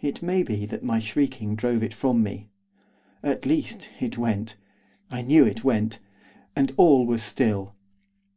It may be that my shrieking drove it from me. At least, it went. I knew it went. And all was still.